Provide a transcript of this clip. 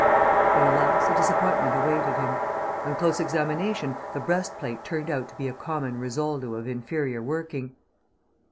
But alas! a disappointment awaited him. On close examination the breast plate turned out to be a common Risoldo of inferior working.